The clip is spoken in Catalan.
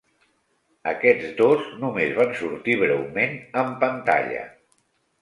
Aquests dos només van sortir breument en pantalla.